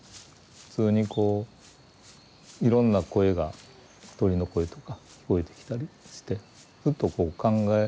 普通にこういろんな声が鳥の声とか聞こえてきたりしてふっとこう考え